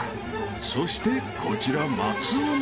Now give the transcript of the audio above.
［そしてこちら松尾も］